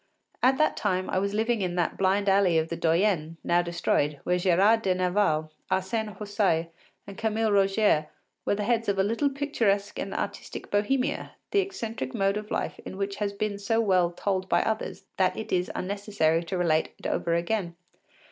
At that time I was living in that blind alley of the Doyenné, now destroyed, where Gérard de Nerval, Arsène Houssaye and Camille Rogier were the heads of a little picturesque and artistic Bohemia, the eccentric mode of life in which has been so well told by others that it is unnecessary to relate it over again.